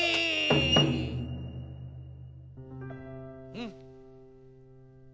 うん。